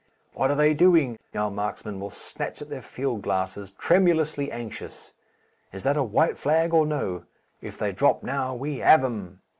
"What are they doing?" Our marksmen will snatch at their field glasses, tremulously anxious, "Is that a white flag or no?... If they drop now we have 'em!"